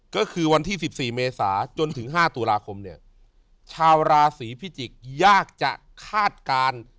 ก็คือวันที่๑๔เมษาจนถึง๕ตุลาคมเนี่ยชาวราศีพิจิกษ์ยากจะคาดการณ์